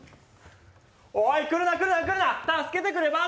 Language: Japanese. おい、来るな、来るな、来るな助けてくれ、バズ。